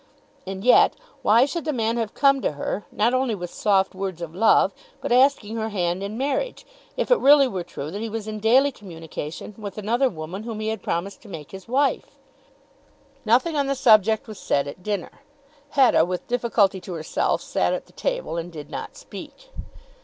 And yet why should the man have come to her, not only with soft words of love, but asking her hand in marriage, if it really were true that he was in daily communication with another woman whom he had promised to make his wife? Nothing on the subject was said at dinner. Hetta with difficulty to herself sat at the table, and did not speak.